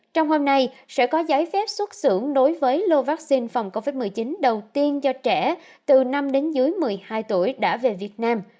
trong hôm nay sẽ có giấy phép xuất xưởng đối với lô vaccine phòng covid một mươi chín đầu tiên cho trẻ từ năm đến dưới một mươi hai tuổi đã về việt nam